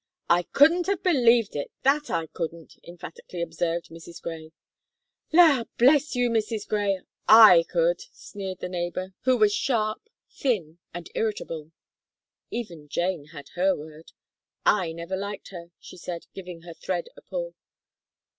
"I couldn't have believed it, that I couldn't!" emphatically observed Mrs. Gray. "La, bless you, Mrs. Gray! I could," sneered the neighbour, who was sharp, thin, and irritable. Even Jane had her word: "I never liked her," she said, giving her thread a pull.